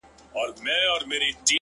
• تقدیر پاس په تدبیرونو پوري خاندي ,